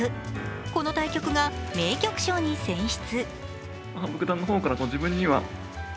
この対局が名局賞に選出。